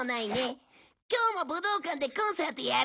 今日も武道館でコンサートやるんだぞ。